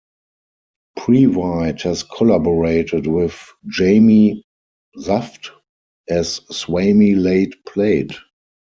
Previte has collaborated with Jamie Saft as Swami Late Plate.